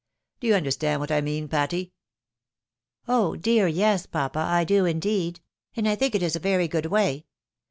Do you imderstand what I mean, Patty?" " Oh ! dear yes, papa, I do indeed ; and I think it is a very good way.